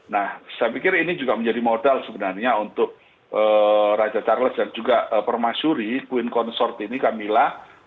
nah saya pikir ini juga menjadi modal sebenarnya untuk raja charles dan juga permasyuri queen consort ini camilla